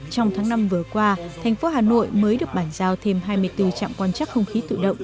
trong tháng năm vừa qua thành phố hà nội mới được bản giao thêm hai mươi bốn trạm quan chắc không khí tự động